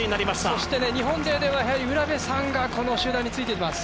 そして日本勢ではやはり卜部さんがこの集団についていきます。